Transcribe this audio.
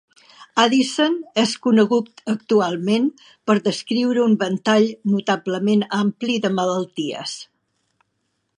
Addison és conegut actualment per descriure un ventall notablement ampli de malalties.